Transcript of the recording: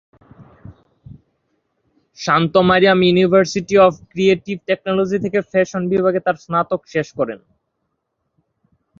Shanto-Mariam university of creative technology থেকে fashion বিভাগে তার স্নাতক শেষ করেন।